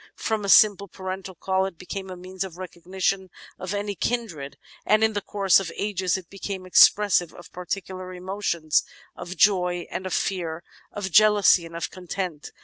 From a simple parental call it became a means of recognition of any kindred, and in the course of ages it became expressive of particular emotions — emotions of joy and of fear, of jealousy and of content.